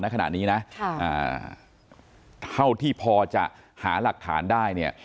ขณะนี้นะเท่าที่พอจะหาหลักฐานได้เนี่ย